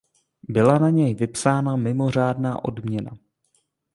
Byla na něj vypsána mimořádná odměna.